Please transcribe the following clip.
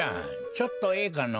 ちょっとええかの？